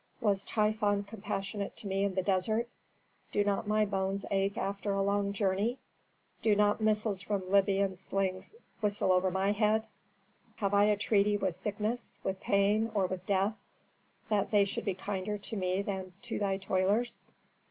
Was Typhon compassionate to me in the desert? Do not my bones ache after a long journey? Do not missiles from Libyan slings whistle over my head? Have I a treaty with sickness, with pain, or with death, that they should be kinder to me than to thy toilers?